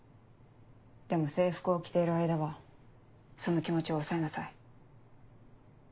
でも制服を着ている間はその気持ちを抑えなさい。